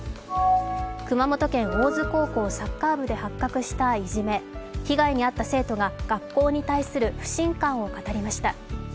熊本県・大津高校サッカー部で発覚したいじめ被害に遭った生徒が学校に対する不信感を語りました。